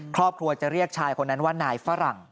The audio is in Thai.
ครอบครัวจะเรียกชายคนนั้นว่านายฝรั่ง